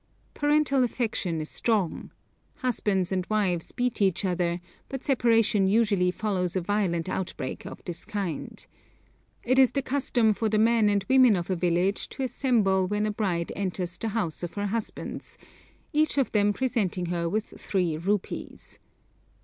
Parental affection is strong. Husbands and wives beat each other, but separation usually follows a violent outbreak of this kind. It is the custom for the men and women of a village to assemble when a bride enters the house of her husbands, each of them presenting her with three rupees.